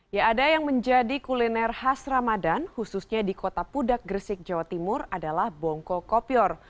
ya ada yang menjadi kuliner khas ramadan khususnya di kota pudak gresik jawa timur adalah bongko kopior